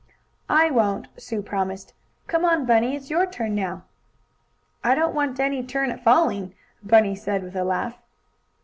"I won't," Sue promised. "Come on, Bunny. It's your turn now." "I don't want any turn at falling," Bunny said, with a laugh.